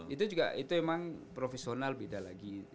itu juga itu memang profesional beda lagi